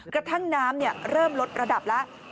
กระทั่งน้ำเริ่มลดระดับแล้ว